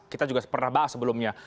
kita juga pernah bahas sebelumnya